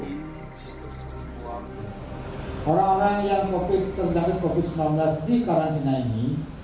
orang orang yang terjangkit covid sembilan belas di karantina ini